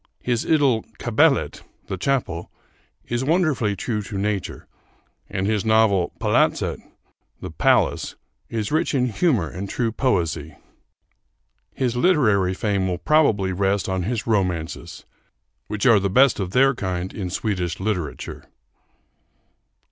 His idyl 'Kapellet' (The Chapel) is wonderfully true to nature, and his novel 'Palatset' (The Palace) is rich in humor and true poesy. His literary fame will probably rest on his romances, which are the best of their kind in Swedish literature.